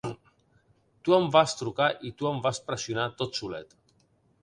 Tu em vas trucar i tu em vas pressionar tot solet.